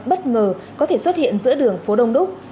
bất ngờ có thể xuất hiện giữa đường phố đông đúc